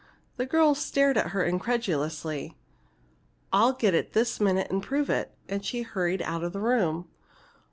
The girls stared at her incredulously. "I'll get it this minute and prove it!" And she hurried out of the room.